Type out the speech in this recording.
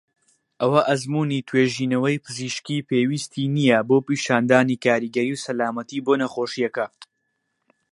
ئەوە ئەزموونی توێژینەوەی پزیشکی پێویستی نیە بۆ پیشاندانی کاریگەری و سەلامەتی بۆ نەخۆشیەکە.